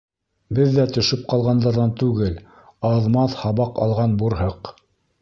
Беҙ ҙә төшөп ҡалғандарҙан түгел, аҙ-маҙ һабаҡ алған бурһыҡ.